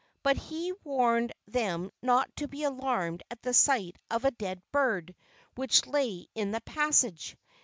But he warned them not to be alarmed at the sight of a dead bird which lay in the passage.